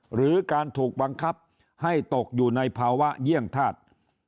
หรือการถูกบังคับให้ตกอยู่ในภาวะเยี่ยงธาตุ